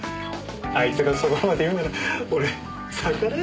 あいつがそこまで言うなら俺逆らえないし。